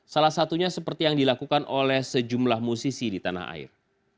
salah satunya seperti yang dilakukan oleh sejumlah musisi di tanah air